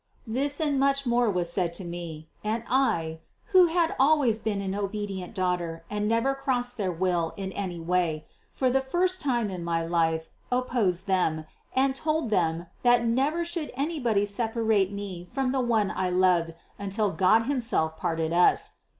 This and much more was said to me. And I, who had always been an obedient daughter and never crossed their will in any way, for the first time in my life opposed them and told them that never should anybody separate me from the one I loved until God himself parted us.